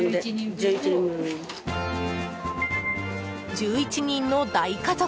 １１人の大家族。